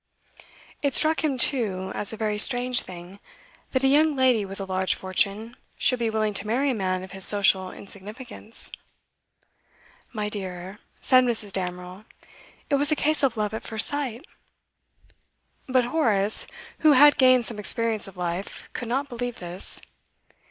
It struck him, too, as a very strange thing, that a young lady with a large fortune should be willing to marry a man of his social insignificance. 'My dear,' said Mrs. Damerel, 'it was a case of love at first sight.' But Horace, who had gained some experience of life, could not believe this.